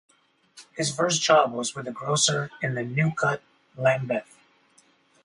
His first job was with a grocer in the New Cut, Lambeth.